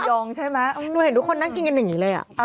ดองใช่ไหมหนูเห็นทุกคนนั่งกินกันอย่างนี้เลย